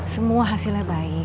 semua hasilnya baik